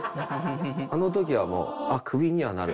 あの時はもう。